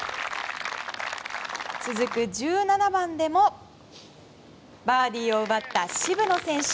続く１７番でもバーディーを奪った渋野選手。